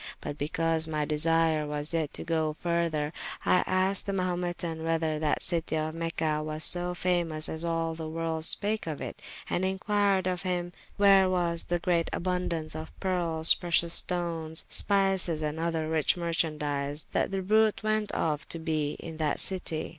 But because my desyre was yet to goe further, I asked the Mahumetan whether that citie of Mecha was so famous as all the world spake of it: and inquired of him where was the great aboundaunce of pearles, precious stones, spices, and other rich merchandies that the bruite went of to be in that citie.